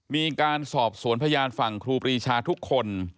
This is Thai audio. มีการสอบสวนพยานฝั่งครูปรีชาทุกคน